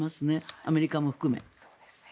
アメリカも含め。